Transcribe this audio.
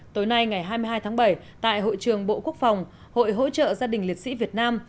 tối nay ngày hai mươi hai tháng bảy tại hội trường bộ quốc phòng hội hỗ trợ gia đình liệt sĩ việt nam